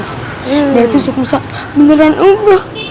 berarti ustadz musa beneran umrah